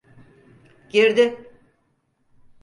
Girdi.